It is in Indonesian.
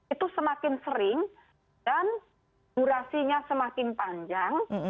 itu semakin sering dan durasinya semakin panjang